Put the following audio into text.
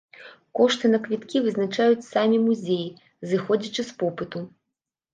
Кошты на квіткі вызначаюць самі музеі, зыходзячы з попыту.